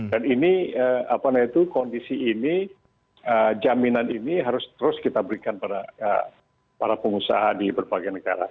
dan ini kondisi ini jaminan ini harus terus kita berikan pada para pengusaha di berbagai negara